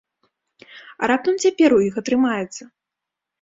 А раптам цяпер у іх атрымаецца?